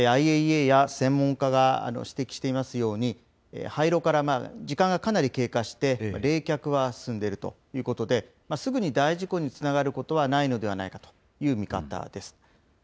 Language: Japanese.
ＩＡＥＡや専門家が指摘していますように、廃炉から時間がかなり経過して、冷却は進んでいるということで、すぐに大事故につながることはないのではないかという見方です。